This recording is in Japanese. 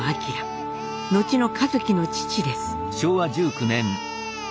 後の一輝の父です。